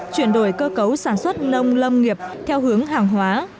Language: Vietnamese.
chuyển đổi cơ cấu sản xuất nông lâm nghiệp theo hướng hàng hóa